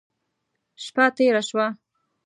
شپه تېره شوه.